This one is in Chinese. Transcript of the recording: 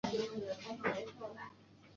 详情可参看香港节日与公众假期。